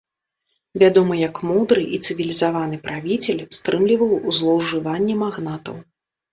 Вядомы як мудры і цывілізаваны правіцель, стрымліваў злоўжыванні магнатаў.